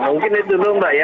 mungkin itu dulu mbak ya